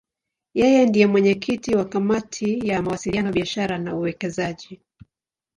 Yeye ndiye mwenyekiti wa Kamati ya Mawasiliano, Biashara na Uwekezaji.